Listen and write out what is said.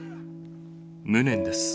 無念です。